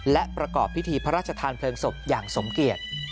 และประกอบพิธีพระราชทานเพลิงศพอย่างสมเกียจ